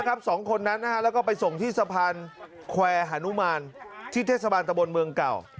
สองคนนั้นแล้วก็ไปส่งที่สะพานแควร์หานุมานที่เทศบาลตะบนเมืองเก่า